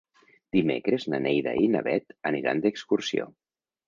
Dimecres na Neida i na Bet aniran d'excursió.